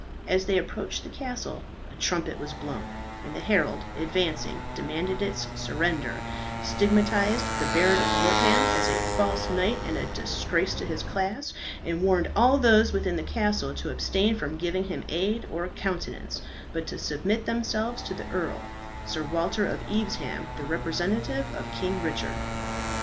As they approached the castle a trumpet was blown, and the herald, advancing, demanded its surrender, stigmatized the Baron of Wortham as a false knight and a disgrace to his class, and warned all those within the castle to abstain from giving him aid or countenance, but to submit themselves to the earl, Sir Walter of Evesham, the representative of King Richard.